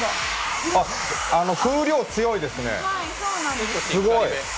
風量強いですね、すごい。